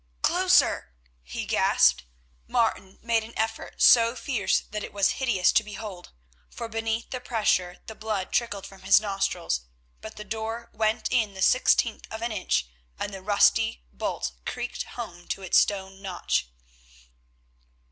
"Closer," he gasped. Martin made an effort so fierce that it was hideous to behold, for beneath the pressure the blood trickled from his nostrils, but the door went in the sixteenth of an inch and the rusty bolt creaked home into its stone notch.